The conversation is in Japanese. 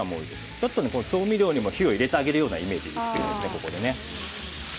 ちょっと調味料にも火を入れてあげるようなイメージです。